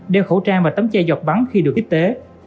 đeo khẩu trang và tấm che giọt bắn khi được ít tế